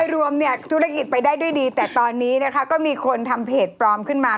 รวมธุรกิจไปได้ด้วยดีแต่ตอนนี้นะคะก็มีคนทำเพจปลอมขึ้นมา